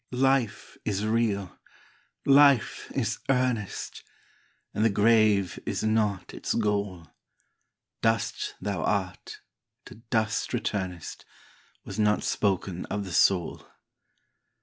Life is real ! Life is earnest ! And the grave is not its goal ; Dust thou art, to dust returnest, Was not spoken of the soul.